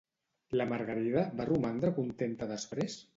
La Margarida va romandre contenta després?